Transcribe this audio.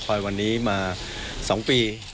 เรารอคอยวันนี้มา๒ปี